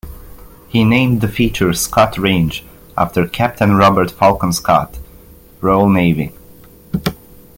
He named the feature Scott Range after Captain Robert Falcon Scott, Royal Navy.